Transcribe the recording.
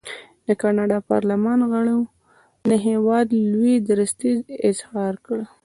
د کاناډا پارلمان غړو د هېواد لوی درستیز احضار کړی.